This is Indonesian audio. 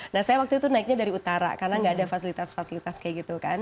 nah saya waktu itu naiknya dari utara karena gak ada fasilitas fasilitas kayak gitu kan